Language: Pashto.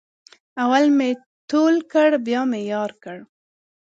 اول مې تول کړ بیا مې یار کړ.